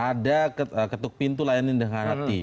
ada ketuk pintu layani dengan hati